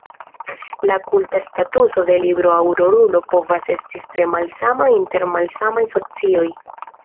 La kulta statuso de libro aŭ rolulo povas esti tre malsama inter malsamaj socioj.